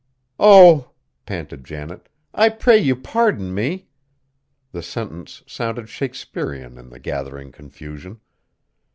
"Oh!" panted Janet, "I pray you pardon me!" The sentence sounded Shakespearean in the gathering confusion.